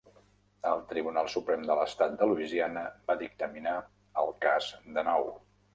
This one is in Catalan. El Tribunal Suprem de l'estat de Louisiana va dictaminar el cas de nou.